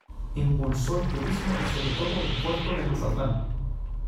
Impulsó el turismo y sobre todo el puerto de Mazatlán.